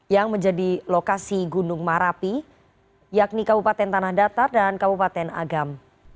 yang menjadi lokasi gunung marapi yakni kabupaten tanah datar dan kabupaten agam